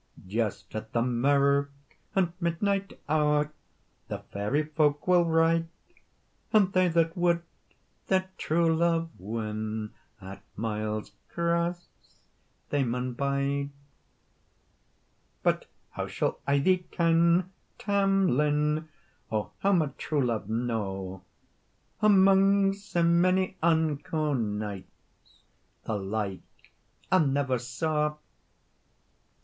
"Just at the mirk and midnight hour The fairy folk will ride, And they that wad their true love win, At Miles Cross they maun bide." "But how shall I thee ken, Tam Lin, Or how my true love know, Amang sae mony unco knights The like I never saw?"